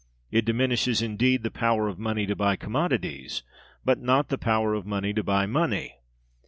It diminishes, indeed, the power of money to buy commodities, but not the power of money to buy money.